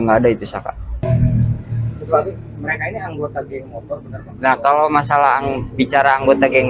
nggak ada itu saka mereka ini anggota geng motor bener nah kalau masalah bicara anggota geng